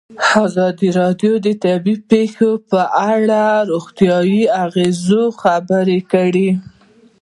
ازادي راډیو د طبیعي پېښې په اړه د روغتیایي اغېزو خبره کړې.